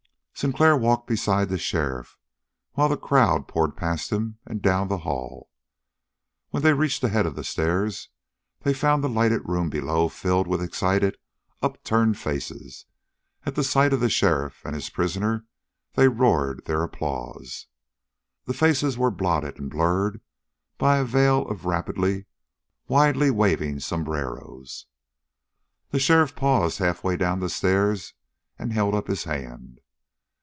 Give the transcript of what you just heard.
Sinclair walked beside the sheriff, while the crowd poured past him and down the hall. When they reached the head of the stairs they found the lighted room below filled with excited, upturned faces; at the sight of the sheriff and his prisoner they roared their applause. The faces were blotted and blurred by a veil of rapidly, widely waving sombreros. The sheriff paused halfway down the stairs and held up his hand.